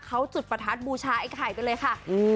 เขาจุดประทัดบูชาไอ้ไข่กันเลยค่ะอืม